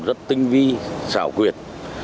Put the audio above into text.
rất tinh vi xảo quyệt